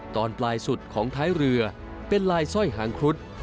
ตอนปลายสุดของท้ายเรือเป็นลายสร้อยหางครุฑ